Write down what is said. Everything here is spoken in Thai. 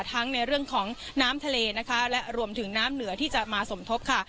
ทั้งในเรื่องของน้ำทะเลนะคะและรวมถึงน้ำเหนือที่จะมาสมทบค่ะ